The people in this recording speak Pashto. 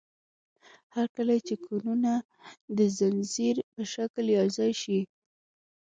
هر کله چې کوکونه د ځنځیر په شکل یوځای شي.